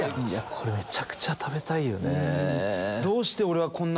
これめちゃくちゃ食べたいよね。